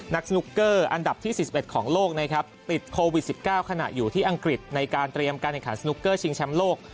สนุกเกอร์อันดับที่๔๑ของโลกนะครับติดโควิด๑๙ขณะอยู่ที่อังกฤษในการเตรียมการแข่งขันสนุกเกอร์ชิงแชมป์โลก